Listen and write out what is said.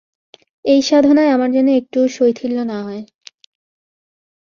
এই সাধনায় আমার যেন একটুও শৈথিল্য না হয়।